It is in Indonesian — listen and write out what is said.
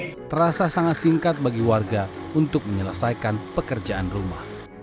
waktu enam jam untuk akses listrik terasa sangat singkat bagi warga untuk menyelesaikan pekerjaan rumah